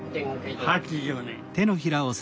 ８０年。